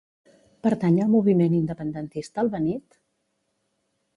Pertany al moviment independentista el Benit?